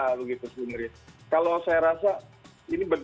kalau saya rasa ini bentuk dukungan dari masyarakat